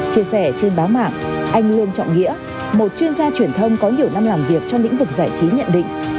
chia sẻ trên báo mạng anh lương trọng nghĩa một chuyên gia truyền thông có nhiều năm làm việc trong lĩnh vực giải trí nhận định